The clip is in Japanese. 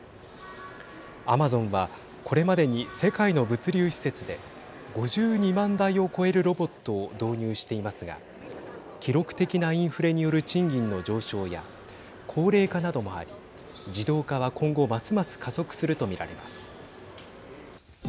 アマゾンはこれまでに世界の物流施設で５２万台を超えるロボットを導入していますが記録的なインフレによる賃金の上昇や高齢化などもあり自動化は今後ますます加速すると見られます。